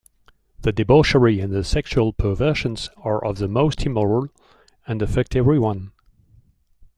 The debauchery and the sexual perversions are of the most immoral, and affect everyone.